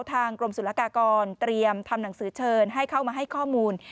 ทางกรมศุลกากรเตรียมทำหนังสือเชิญให้เข้ามาให้ข้อมูล